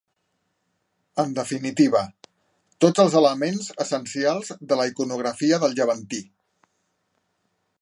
En definitiva, tots els elements essencials de la iconografia del Llevantí.